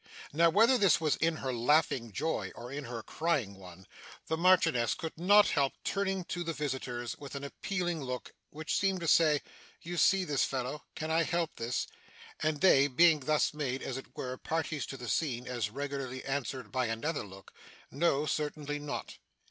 Now, whether she was in her laughing joy, or in her crying one, the Marchioness could not help turning to the visitors with an appealing look, which seemed to say, 'You see this fellow can I help this?' and they, being thus made, as it were, parties to the scene, as regularly answered by another look, 'No. Certainly not.